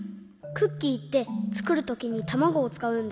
クッキーってつくるときにたまごをつかうんだよ。